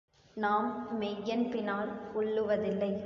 நாம் மெய்யன்பினால் உள்ளுவதில்லை.